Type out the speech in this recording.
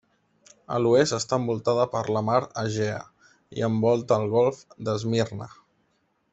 A l'oest està envoltada per la Mar Egea, i envolta el Golf d'Esmirna.